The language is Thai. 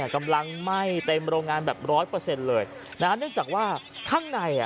กำลังไหม้เต็มโรงงานแบบ๑๐๐เลยฉะนั้นนึกจากว่าข้างใน